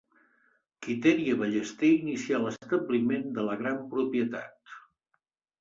Quitèria Ballester inicià l'establiment de la gran propietat.